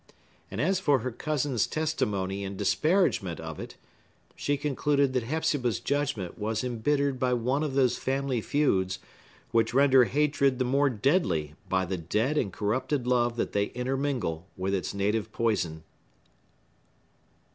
And as for her cousin's testimony in disparagement of it, she concluded that Hepzibah's judgment was embittered by one of those family feuds which render hatred the more deadly by the dead and corrupted love that they intermingle with its native poison.